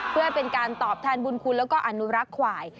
เพื่อเป็นการตอบแทนบุญคุณแล้วก็อนุรักษ์ควาย